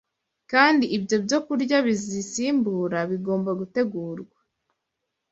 kandi ibyo byokurya bizisimbura bigomba gutegurwa